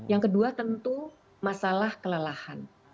yang kedua tentu masalah kelelahan